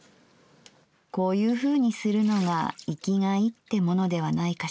こういうふうにするのが生きがいってものではないかしら。